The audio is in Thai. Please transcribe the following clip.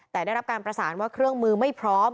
แต่ได้รับการประสานว่าเครื่องมือไม่พร้อม